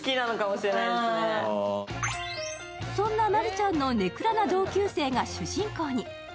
そんなまるちゃんの根暗な同級生が主人公に。